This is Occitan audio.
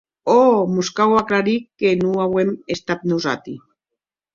Òc, mos cau aclarir que non auem estat nosati.